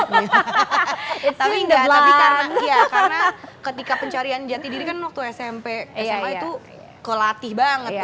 tapi enggak tapi karena ketika pencarian jati diri kan waktu smp sma itu kelatih banget tuh ya